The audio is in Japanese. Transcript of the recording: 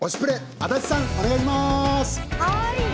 足立さん、お願いします！